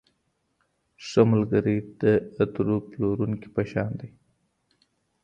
ښه ملګری د عطر پلورونکي په شان دی.